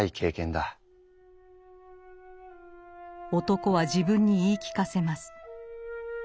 男は自分に言い聞かせます。